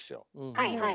はいはい。